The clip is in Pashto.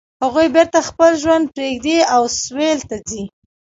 هغوی بیرته خپل ژوند پریږدي او سویل ته ځي